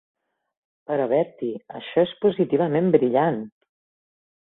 Però, Bertie, això és positivament brillant.